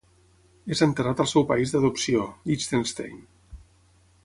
És enterrat al seu país d'adopció, Liechtenstein.